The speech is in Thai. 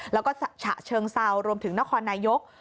แล้วก็ฉะเชิงเซารวมถึงนครนายก